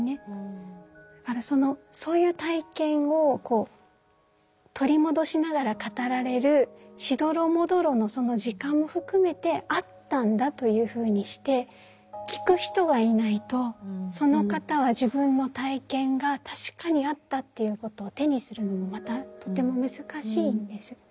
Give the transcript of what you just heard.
だからそのそういう体験をこう取り戻しながら語られるしどろもどろのその時間も含めてあったんだというふうにして聞く人がいないとその方は自分の体験が確かにあったということを手にするのもまたとても難しいんです。